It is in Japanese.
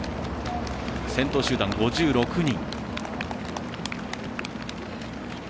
先頭集団５６人。